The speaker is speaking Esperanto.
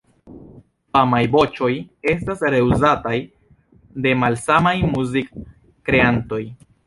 Famaj voĉoj estas reuzataj de malsamaj muzikkreantoj.